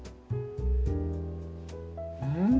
うん。